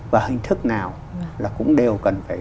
và hình thức nào là cũng đều cần phải